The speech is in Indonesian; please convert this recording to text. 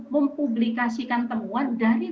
mempublikasikan temuan dari